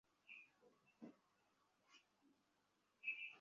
কিন্তু অ্যাডেলের প্রেমিক সাইমন কোনেকি গোলাপি রঙের কাগজে লিখে দিয়েছিলেন প্রেমবার্তা।